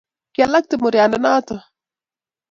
Kialakte muryande noto